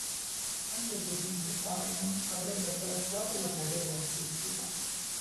Anche suo figlio Tyrone avrebbe abbracciato la carriera artistica.